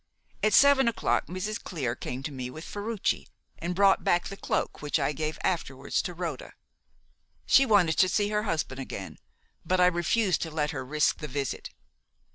At seven o'clock Mrs. Clear came to me with Ferruci, and brought back the cloak which I gave afterwards to Rhoda. She wanted to see her husband again, but I refused to let her risk the visit.